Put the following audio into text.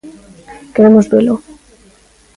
Queremos velo.